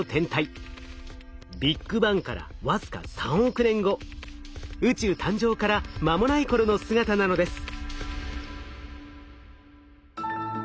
ビッグバンから僅か３億年後宇宙誕生から間もない頃の姿なのです。